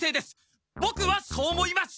ボクはそう思います！